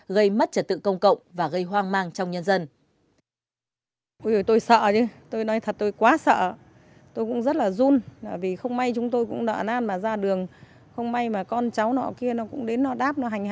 gây mất trật tự công cộng và gây hoang mang trong nhân dân